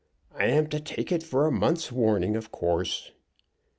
I am to take it for a month's warning, of course."